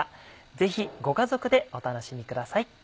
ぜひご家族でお楽しみください。